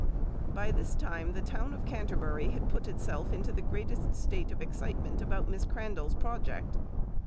By this time the town of Canterbury had put itself into the greatest state of excitement about Miss Crandall's project.